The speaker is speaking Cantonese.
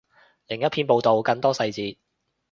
另一篇报道，更多细节